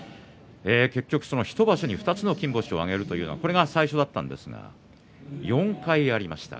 結局、１場所で２つの金星を挙げるというのはこれが最初だったんですが４回ありました。